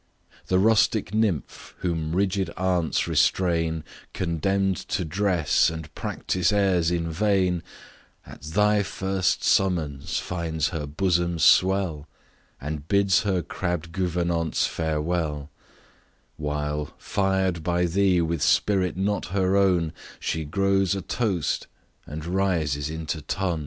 The rustic nymph whom rigid aunts restrain, Condemn'd to dress, and practise airs in vain, At thy first summons finds her bosom swell, And bids her crabbed gouvernantes farewell; While, fired by thee with spirit not her own, She grows a toast, and rises into ton .